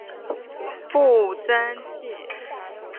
步曾槭